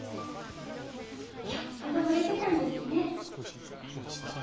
よっぽど惚れてたんですね。